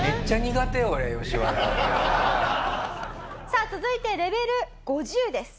さあ続いてレベル５０です。